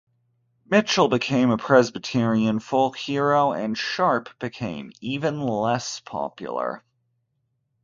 Mitchell became a Presbyterian folk hero and Sharp became even less popular.